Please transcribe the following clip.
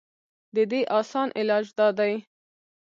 د دې اسان علاج دا دے